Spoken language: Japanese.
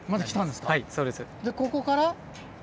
でここから？